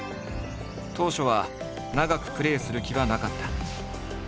当初は長くプレーする気はなかった。